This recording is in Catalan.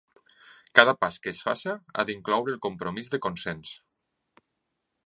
Cada pas que es faci ha d'incloure el compromís de consens.